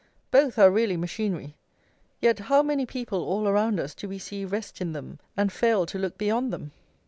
Both are really machinery; yet how many people all around us do we see rest in them and fail to look beyond them!